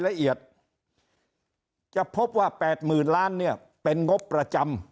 ละเอียดจะพบว่า๘๐๐๐ล้านเนี่ยเป็นงบประจำ